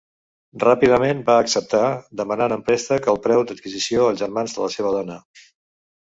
Ràpidament va acceptar, demanant en préstec el preu d'adquisició als germans de la seva dona.